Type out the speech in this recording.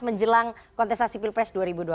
menjelang kontestasi pilpres dua ribu dua puluh